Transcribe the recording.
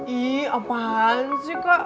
ih apaan sih kak